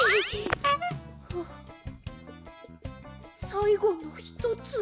さいごのひとつ。